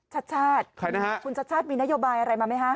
ชัชชาติคุณชัชชาติมีนโยบายอะไรมาไหมฮะ